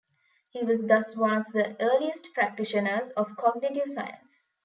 He was thus one of the earliest practitioners of cognitive science.